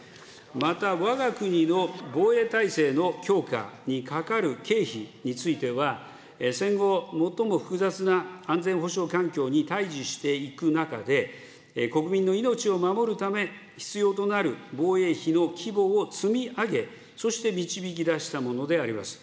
また、わが国の防衛体制の強化にかかる経費については、戦後、最も複雑な安全保障環境に対じしていく中で、国民の命を守るため、必要となる防衛費の規模を積み上げ、そして導き出したものであります。